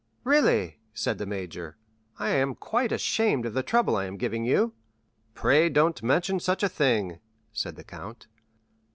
"Really," said the major, "I am quite ashamed of the trouble I am giving you." "Pray don't mention such a thing," said the count.